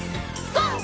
ＧＯ！